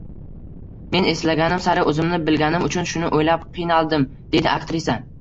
Men eslaganim sari o‘zimni bilganim uchun shuni o‘ylab qiynaldim, — deydi aktrisa